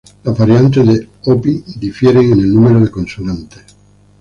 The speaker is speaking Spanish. Las variantes de hopi difieren en el número de consonantes.